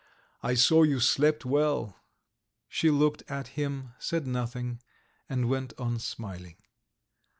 "I saw you slept well." She looked at him, said nothing, and went on smiling.